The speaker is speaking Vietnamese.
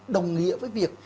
đồng ý với việc